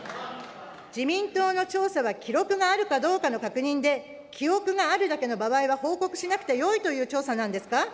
自民党の調査は記録があるかどうかの確認で、記憶があるだけの場合は、報告しなくてよいという調査なんですか。